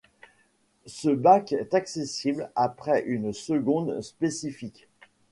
Ce bac est accessible après une seconde spécifique.